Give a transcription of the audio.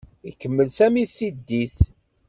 Ikemmel Sami tiddit.